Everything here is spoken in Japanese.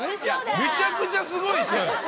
めちゃくちゃすごい人。